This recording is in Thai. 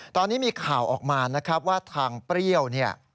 ตอนนี้มีข่าวออกมานะครับว่าทางเปรี้ยวเนี่ย